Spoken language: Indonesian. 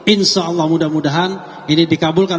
insyaallah mudah mudahan ini dikabulkan